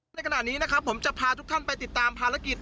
ในขณะนี้นะครับผมจะพาทุกท่านไปติดตามภารกิจ